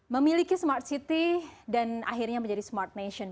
memiliki smart city dan akhirnya menjadi smart nation